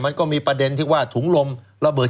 มันก็มีประเด็นที่ว่าถุงลมระเบิด